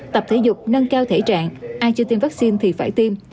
tập thể dục nâng cao thể trạng ai chưa tiêm vaccine thì phải tiêm